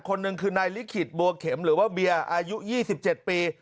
คนหนึ่งคือนายลิขิตบัวเข็มหรือว่าเบียร์อายุ๒๗ปี